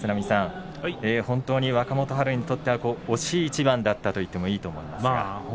本当に若元春にとっては惜しい一番だったと言ってもいいと思いますが。